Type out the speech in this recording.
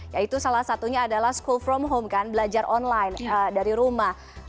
yaitu salah satunya adalah school from home kan belajar online dari rumah